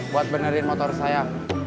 buat benerin motor saya